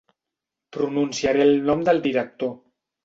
Pronunciaré el nom del director.